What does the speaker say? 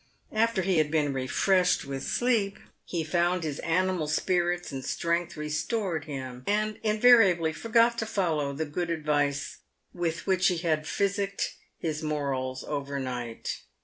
After he had been refreshed with sleep, he found his animal spirits and strength restored him, and invariably forgot to follow the good advice with which he had physicked his morals overnight.